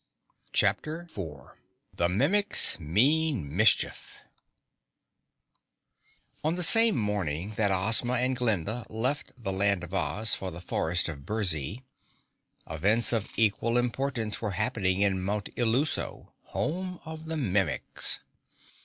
CHAPTER 4 The Mimics Mean Mischief On the same morning that Ozma and Glinda left the Land of Oz for the Forest of Burzee, events of equal importance were happening in Mount Illuso, home of the Mimics.